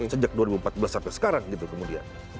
sejak dua ribu empat belas sampai sekarang gitu kemudian